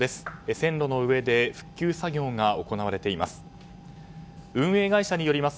線路の上で復旧作業が行われています。